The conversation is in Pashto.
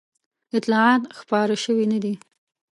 اطلاعات خپاره شوي نه دي.